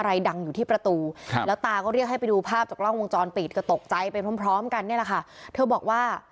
อะไรดังอยู่ที่ประตูครับแล้วตาก็เรียกให้ไปดูภาพจากกล้องวงจรปิดก็ตกใจไปพร้อมพร้อมกันเนี่ยแหละค่ะเธอบอกว่า